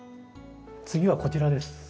次はこちらです。